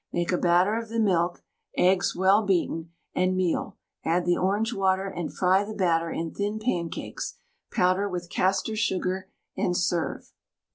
Make a batter of the milk, eggs (well beaten), and meal, add the orange water, and fry the batter in thin pancakes, powder with castor sugar, and serve.